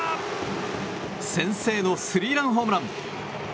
先制のスリーランホームラン。